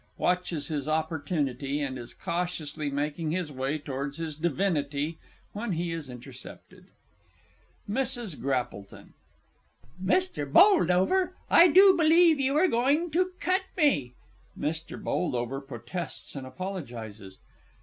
[Watches his opportunity, and is cautiously making his way towards his divinity, when he is intercepted. MRS. GRAPPLETON. Mr. Boldover, I do believe you were going to cut me! (_MR. B. protests and apologises.